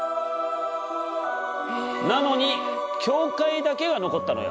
なのに教会だけが残ったのよ。